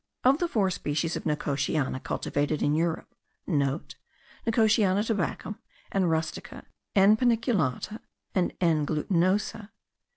Of the four species of nicotiana cultivated in Europe* (* Nicotiana tabacum, N. rustica, N. paniculata, and N. glutinosa.)